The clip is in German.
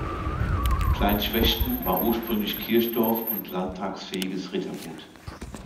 Klein Schwechten war ursprünglich Kirchdorf und landtagsfähiges Rittergut.